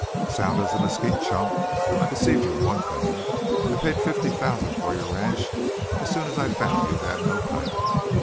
"Sound as a mesquite chunk. I deceived you in one thing. I paid fifty thousand for your ranch as soon as I found you had no title.